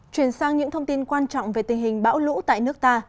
chuyển sang những thông tin quan trọng về tình hình bão lũ tại nước ta